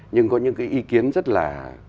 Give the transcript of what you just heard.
nhưng có những cái ý kiến rất là